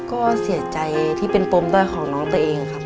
ก็เสียใจที่เป็นปมด้อยของน้องตัวเองครับ